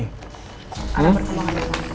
ada berkembang ada